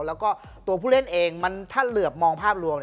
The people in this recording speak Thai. แล้วก็ตัวผู้เล่นเองถ้าเหลือบมองภาพรวม